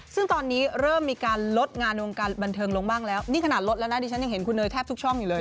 ซึ่งตอนนี้เริ่มมีการลดงานวงการบันเทิงลงบ้างแล้วนี่ขนาดลดแล้วนะดิฉันยังเห็นคุณเนยแทบทุกช่องอยู่เลย